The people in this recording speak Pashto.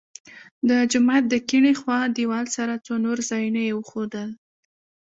د جومات د کیڼې خوا دیوال سره څو نور ځایونه یې وښودل.